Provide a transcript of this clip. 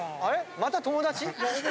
また友達？